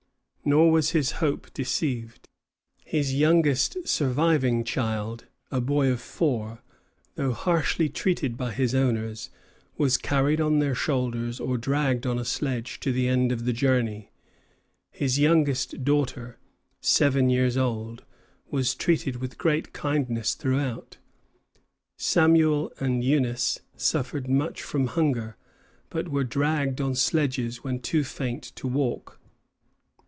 Nor was his hope deceived. His youngest surviving child, a boy of four, though harshly treated by his owners, was carried on their shoulders or dragged on a sledge to the end of the journey. His youngest daughter seven years old was treated with great kindness throughout. Samuel and Eunice suffered much from hunger, but were dragged on sledges when too faint to walk.